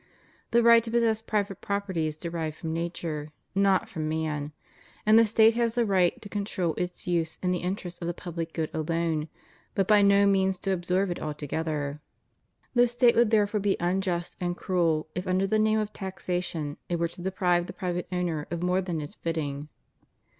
The right to possess private property is derived from nature, not from man; and the State has the right to control its use in the interests of the public good alone, but by no means to absorb it altogether. The State would therefore be unjust and cruel if under the name of taxation it were to deprive the private owner of more than is fitting.